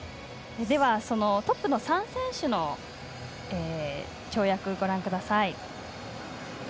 トップの３選手の跳躍をご覧ください。